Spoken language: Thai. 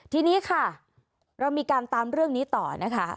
ทีนี้ค่ะเรามีการตามเรื่องนี้ต่อนะคะ